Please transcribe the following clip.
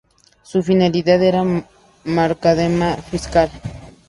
Su finalidad era marcadamente fiscal.